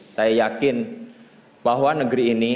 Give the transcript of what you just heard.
saya yakin bahwa negeri ini